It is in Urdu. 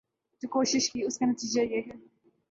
جو کوشش کی اس کا نتیجہ یہ ہے ۔